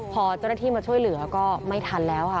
พอเจ้าหน้าที่มาช่วยเหลือก็ไม่ทันแล้วค่ะ